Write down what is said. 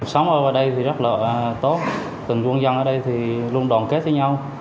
sống ở đây thì rất là tốt từng quân dân ở đây thì luôn đoàn kết với nhau